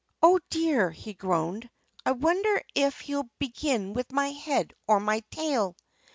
"Oh, dear!" he groaned. "I wonder if he'll begin with my head or my tail!"